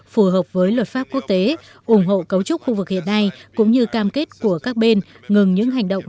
phù hợp với luật pháp quốc tế ủng hộ cấu trúc khu vực hiện nay cũng như cam kết của các bên ngừng những hành động